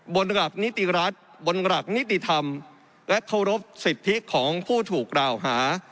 ระดับนิติรัฐบนหลักนิติธรรมและเคารพสิทธิของผู้ถูกกล่าวหา